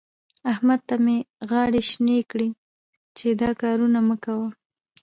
احمد ته مې غاړې شينې کړې چې دا کارونه مه کوه.